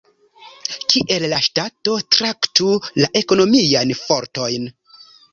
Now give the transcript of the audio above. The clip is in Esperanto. Kiel la ŝtato traktu la ekonomiajn fortojn?